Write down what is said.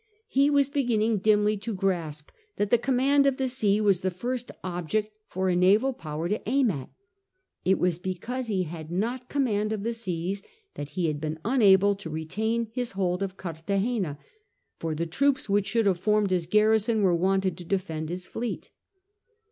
He was beginning dimly to grasp that the command of the sea was the first object for a naval power to aim at. It was because he had not command of the seas that he had been unable to retain his hold of Cartagena, for the troops which should have formed its garrison were wanted to defend his fleet.